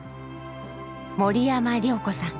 森山良子さん。